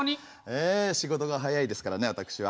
ええ仕事が早いですからね私は。